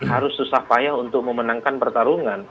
harus susah payah untuk memenangkan pertarungan